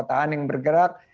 di perkotaan yang bergerak